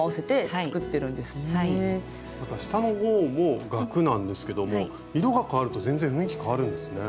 また下の方も額なんですけども色がかわると全然雰囲気変わるんですね。